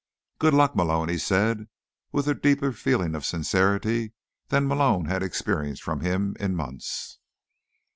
"Good luck, Malone," he said, with a deeper feeling of sincerity than Malone had experienced from him in months.